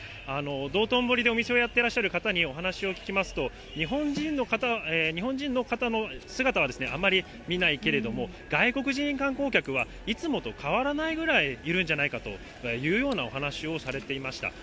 道頓堀でお店をやってらっしゃる方にお話を聞きますと、日本人の方、日本人の方の姿はあまり見ないけれども、外国人観光客はいつもと変わらないぐらいいるんじゃないかというようなお話をされていました。